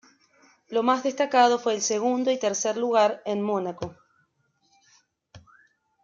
Lo más destacado fue el segundo y tercer lugar en Mónaco.